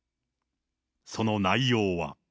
その内容は。